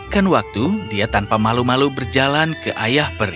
kan waktu dia tanpa malu malu berjalan ke ayah peri